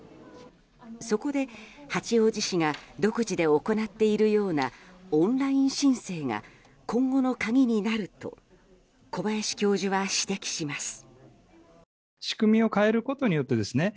そこで、八王子市が独自で行っているようなオンライン申請が今後の鍵になると小林教授は指摘します。